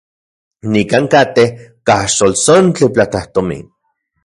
Nikan katej kaxltoltsontli platajtomin.